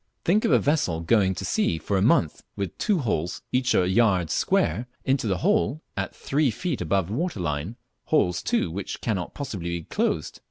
Think of a vessel going to sea for a month with two holes, each a yard square, into the hold, at three feet above the water line, holes, too, which cannot possibly be closed!